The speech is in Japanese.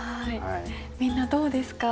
みんなどうですか？